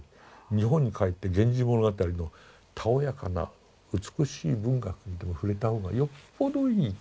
日本に帰って「源氏物語」のたおやかな美しい文学にでも触れたほうがよっぽどいいと。